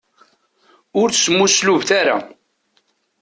Ur smuslubemt ara.